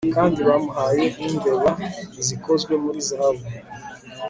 kandi bamuhaye n'imbeba zikozwe muri zahabu